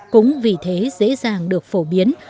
cũng vì thế dễ dàng được phổ biến